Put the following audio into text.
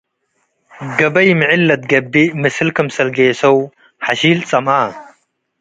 ገበይ ምዕል ለትገብ'እ ምስል ክምሰል ጌሰው፡ ሐሺል ጸምአ።